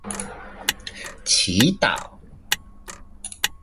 祈禱